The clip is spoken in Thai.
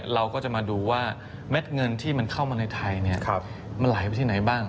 เราก็จะมาดูว่าเม็ดเงินที่มันเข้ามาในไทยมันไหลไปที่ไหนบ้าง